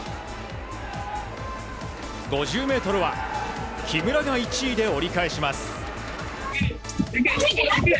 ５０ｍは木村が１位で折り返します。